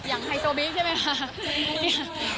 อย่างไฮโซบิ้กใช่ไหมค่ะ